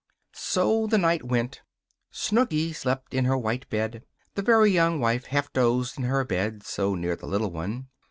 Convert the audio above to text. So the night went by. Snooky slept in her white bed. The Very Young Wife half dozed in her bed, so near the little one.